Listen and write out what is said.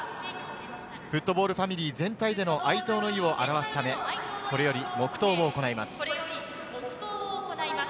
フットボールファミリー全体での哀悼の意を表すため、これより黙とうを行います。